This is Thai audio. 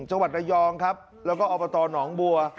จังหวัดระยองครับแล้วก็อบตหนองบัว